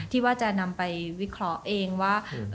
ที่ว่าจะนำไปวิเคราะห์เองว่า